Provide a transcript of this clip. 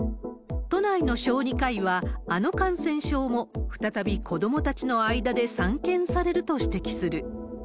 都内の小児科医は、あの感染症も、再び子どもたちの間で散見されると指摘する。